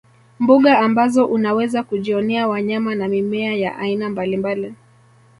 Mbuga ambazo unaweza kujionea wanyama na mimea ya aina mbalimbali